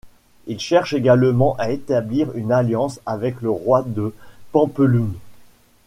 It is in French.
Il cherche également à établir une alliance avec le roi de Pampelune.